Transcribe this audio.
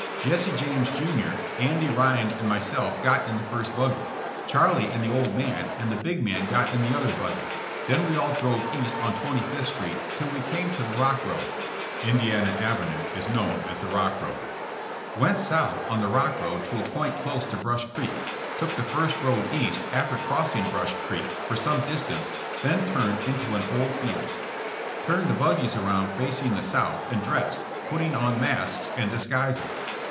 Jesse James, jr., Andy Ryan and myself got in the first buggy; Charlie and the old man and the big man got in the other buggy. Then we all drove east on Thirty fifth street till we came to the rock road (Indiana avenue is known as the rock road), went south on the rock road to a point close to Brush creek, took the first road east after crossing Brush creek, for some distance, then turned into an old field, turned the buggies around facing the south and dressed, putting on masks and disguises.